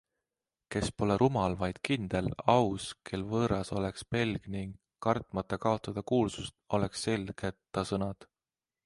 Kes pole rumal, vaid kindel, aus, kel võõras oleks pelg ning, kartmata kaotada kuulsust, oleks selged ta sõnad.